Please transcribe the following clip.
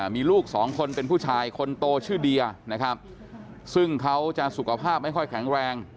มีลูกสองคนเป็นผู้ชายคนโตชื่อเดียนะครับซึ่งเขาจะสุขภาพไม่ค่อยแข็งแรง